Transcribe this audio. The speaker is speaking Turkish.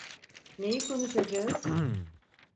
Neyi konuşacağız?